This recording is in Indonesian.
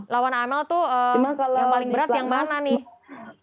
lawan amel tuh yang paling berat yang mana nih